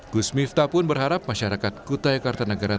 gus miftah pun berharap masyarakat kutai kartanegara